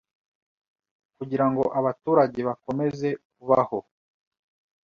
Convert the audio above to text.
kugira ngo abaturage bakomeze kubaho